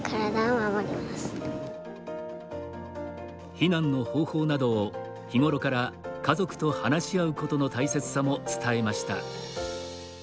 避難の方法などを日頃から家族と話し合うことの大切さも伝えました。